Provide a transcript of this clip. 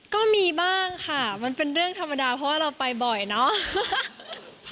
ก็มีบ้างค่ะมันเป็นเรื่องธรรมดาเพราะว่าเราไปบ่อยเนาะ